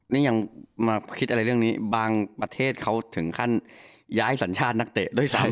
นี่ยังมาคิดอะไรเรื่องนี้บางประเทศเขาถึงขั้นย้ายสัญชาตินักเตะด้วยซ้ำ